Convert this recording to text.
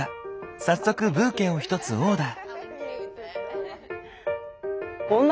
早速ブーケを１つオーダー。